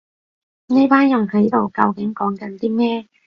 呢班人喺度究竟講緊啲咩